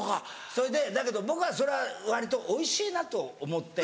それでだけど僕はそれは割とおいしいなと思って。